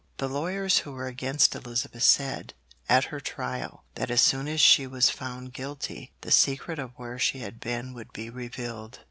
The lawyers who were against Elizabeth said, at her trial, that as soon as she was found guilty, the secret of where she had been would be revealed.